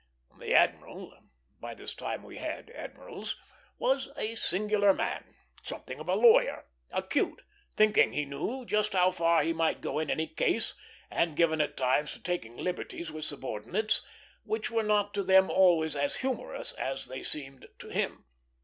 The admiral by this time we had admirals was a singular man, something of a lawyer, acute, thinking he knew just how far he might go in any case, and given at times to taking liberties with subordinates, which were not to them always as humorous as they seemed to him.